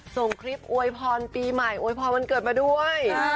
ส่งคลิปอวยพรปีใหม่อวยพรวันเกิดมาด้วย